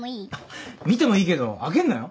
見てもいいけど開けんなよ。